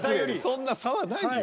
そんな差はないよ。